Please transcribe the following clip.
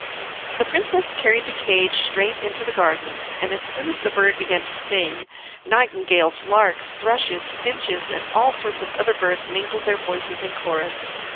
The princess carried the cage straight into the garden, and, as soon as the bird began to sing, nightingales, larks, thrushes, finches, and all sorts of other birds mingled their voices in chorus.